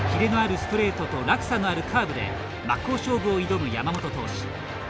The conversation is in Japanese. キレのあるストレートと落差のあるカーブで真っ向勝負を挑む山本投手。